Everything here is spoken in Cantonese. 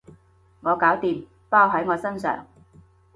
我搞掂，包喺我身上